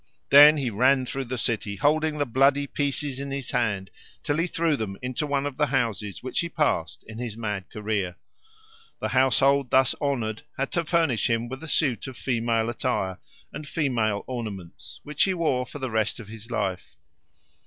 Then he ran through the city, holding the bloody pieces in his hand, till he threw them into one of the houses which he passed in his mad career. The household thus honoured had to furnish him with a suit of female attire and female ornaments, which he wore for the rest of his life.